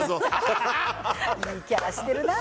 いいキャラしてるな。